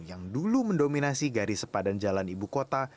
yang dulu mendominasi garis sepadan jalan ibu kota